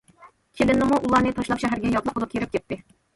كېلىنىمۇ ئۇلارنى تاشلاپ شەھەرگە ياتلىق بولۇپ كىرىپ كەتتى.